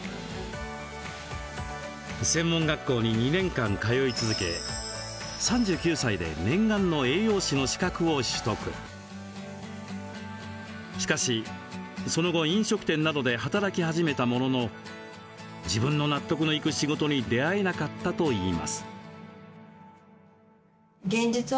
専門学校に２年間、通い続けしかし、その後飲食店などで働き始めたものの自分の納得のいく仕事に出会えなかったといいます。